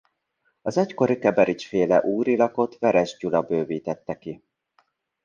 Az egykori Keberich-féle úrilakot Veres Gyula bővítette ki.